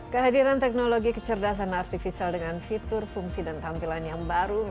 kehadiran teknologi kecerdasan artificial dengan fitur fungsi dan tampilan yang baru